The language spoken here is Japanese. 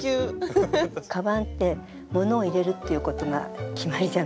カバンってものを入れるっていうことが決まりじゃないですか。